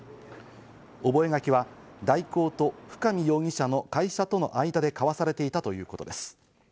覚書は大広と深見容疑者の会社との間で交わされていたということです。